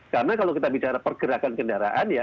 karena kalau kita bicara pergerakan kendaraan ya